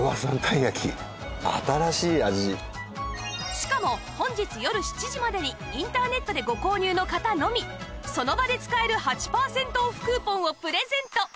しかも本日よる７時までにインターネットでご購入の方のみその場で使える８パーセントオフクーポンをプレゼント！